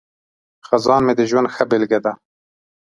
خزان مې د ژوند ښه بیلګه ده.